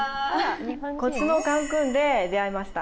こっちのカンクンで出会いました。